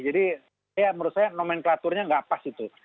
jadi menurut saya nomenklaturnya nggak pas itu